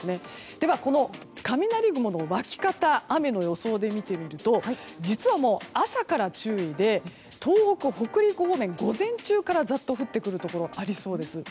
では、この雷雲の湧き方雨の予想で見てみると実は、朝から注意で東北、北陸方面午前中からザッと降ってくるところがありそうです。